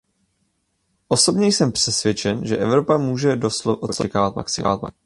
Osobně jsem přesvědčen, že Evropa může od Slovinska očekávat maximum.